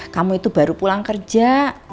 kamu itu baru pulang kerja